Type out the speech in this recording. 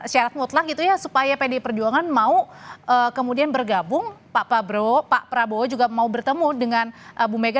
syarat mutlak gitu ya supaya pdi perjuangan mau kemudian bergabung pak prabowo pak prabowo juga mau bertemu dengan bu mega